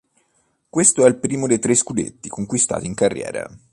Questo è il primo dei tre scudetti conquistati in carriera.